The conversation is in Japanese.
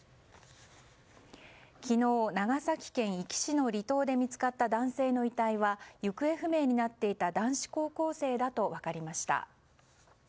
昨日、長崎県壱岐市の離島で見つかった男性の遺体は行方不明になっていた男子高校生だと分かりました。